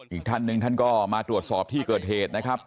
อีกท่านหนึ่งท่านก็มาตรวจสอบที่เกิดเหตุนะครับ